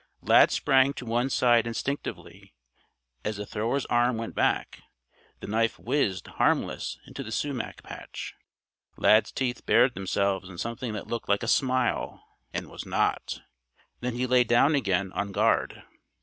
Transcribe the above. Lad sprang to one side instinctively as the thrower's arm went back. The knife whizzed, harmless, into the sumac patch. Lad's teeth bared themselves in something that looked like a smile and was not. Then he lay down again on guard.